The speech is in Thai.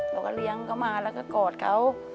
เขาก็เลี้ยงเขามาแล้วก็กอดเขา